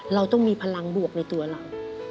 เราต้องมีพลังบวกในตัวเรา